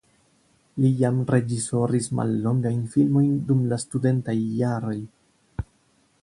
Li jam reĝisoris mallongajn filmojn dum la studentaj jaroj.